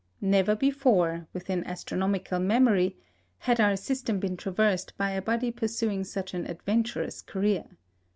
Never before, within astronomical memory, had our system been traversed by a body pursuing such an adventurous career.